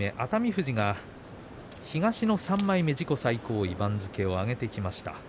富士は東の３枚目自己最高位に番付を上げてきました。